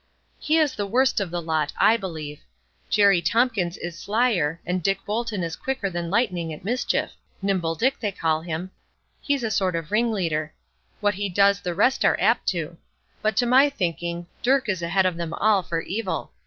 "He is the worst of the lot, I believe. Jerry Tompkins is slyer, and Dick Bolton is quicker than lightning at mischief; Nimble Dick they call him; he's a sort of ringleader; what he does the rest are apt to; but, to my thinking, Dirk is ahead of them all for evil.